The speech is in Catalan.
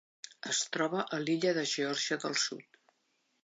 Es troba a l'illa de Geòrgia del Sud.